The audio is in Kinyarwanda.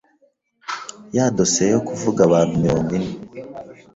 ya dosiye yo kuvuga abantu mirongo ine